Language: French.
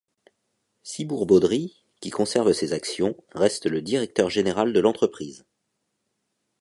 Sibourd-Baudry, qui conserve ses actions, reste le directeur général de l'entreprise.